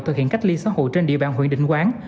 thực hiện cách ly xã hội trên địa bàn huyện định quán